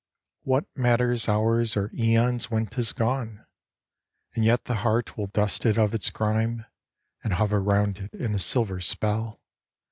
What matters hours or aeons when 'tis gone ? And yet the heart will dust it of its grime, And hover round it in a silver spell.